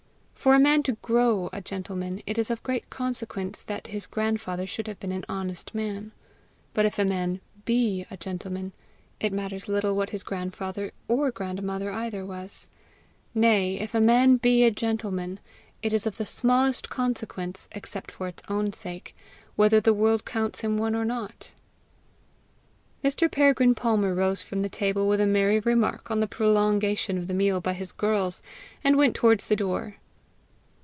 For a man to GROW a gentleman, it is of great consequence that his grandfather should have been an honest man; but if a man BE a gentleman, it matters little what his grandfather or grandmother either was. Nay if a man be a gentleman, it is of the smallest consequence, except for its own sake, whether the world counts him one or not. Mr. Peregrine Palmer rose from the table with a merry remark on the prolongation of the meal by his girls, and went towards the door.